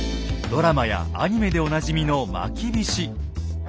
ドラマやアニメでおなじみのまきびし。